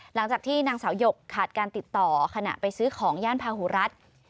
หลังจากที่นางสาวหยกขาดการติดต่อขณะไปซื้อของย่านพาหูรัฐ